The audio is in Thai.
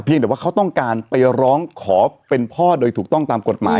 เดี๋ยวว่าเขาต้องการไปร้องขอเป็นพ่อโดยถูกต้องตามกฎหมาย